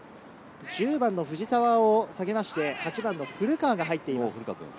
１０番の藤澤を下げまして、８番の古川が入っています。